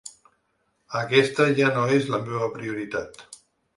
Aquesta ja no és la meva prioritat.